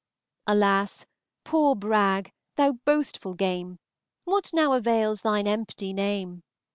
Alas! poor Brag, thou boastful game! What now avails thine empty name?